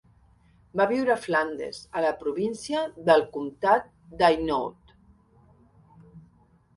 Va viure a Flandes a la província del Comtat d'Hainaut.